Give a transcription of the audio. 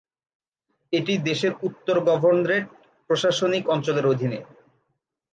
এটি দেশের উত্তর গভর্নরেট প্রশাসনিক অঞ্চলের অধীনে।